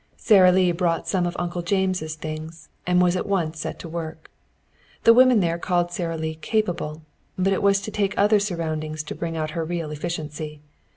Sara Lee brought some of Uncle James' things, and was at once set to work. The women there called Sara Lee capable, but it was to take other surroundings to bring out her real efficiency.